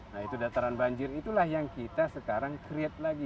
nah itu dataran banjir itulah yang kita sekarang create lagi